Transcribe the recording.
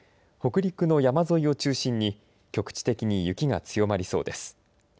北陸の山沿いを中心に局地的に雪が強まりそうです。